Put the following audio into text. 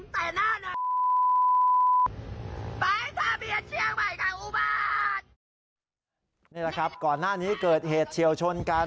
นี่แหละครับก่อนหน้านี้เกิดเหตุเฉียวชนกัน